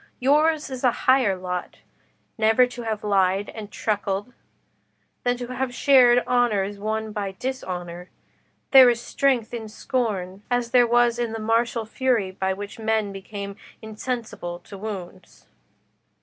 Yours is a higher lot, never to have lied and truckled, than to have shared honours won by dishonour. There is strength in scorn, as there was in the martial fury by which men became insensible to wounds."